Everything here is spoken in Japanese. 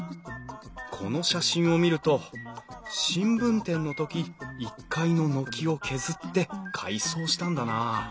この写真を見ると新聞店の時１階の軒を削って改装したんだな。